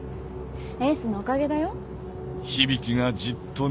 エースのおかげだよ。